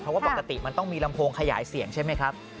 เพราะว่าปกติมันต้องมีลำโพงขยายเสียงใช่ไหมครับ